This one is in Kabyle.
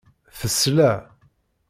Tesla.